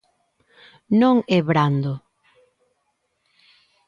Non é brando.